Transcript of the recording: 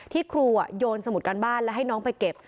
ที่ครูโยนสมุดการบ้านแล้วให้น้องไปเก็บ